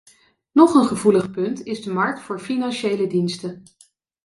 Nog een gevoelig punt is de markt voor financiële diensten.